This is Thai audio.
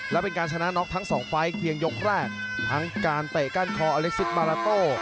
และเป็นการชนะน็อกทั้งสองไฟล์เพียงยกแรกทั้งการเตะก้านคออเล็กซิสมาลาโต้